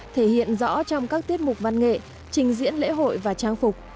thể hiện rõ trong các tiết mục văn nghệ trình diễn lễ hội và trang phục